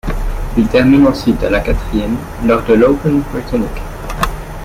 Il termine ensuite à la quatrième lors de l'Open britannique.